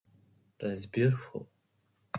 That is beautiful.